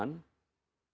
penggelapan dalam jabatan